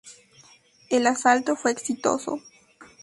El asalto fue exitoso.